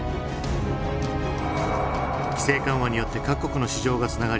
規制緩和によって各国の市場がつながり